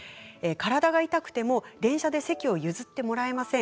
体が痛くても、電車で席を譲ってもらえません。